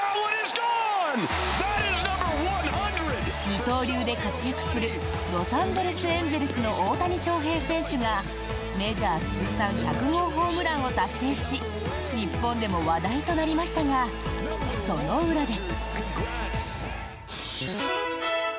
二刀流で活躍するロサンゼルス・エンゼルスの大谷翔平選手がメジャー通算１００号ホームランを達成し日本でも話題となりましたがその裏で。